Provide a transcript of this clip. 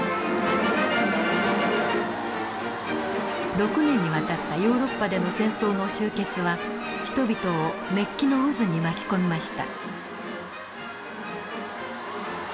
６年にわたったヨーロッパでの戦争の終結は人々を熱気の渦に巻き込みました。